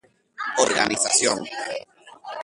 Organización